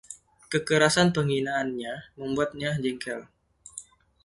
Kekerasan penghinaannya membuatnya jengkel.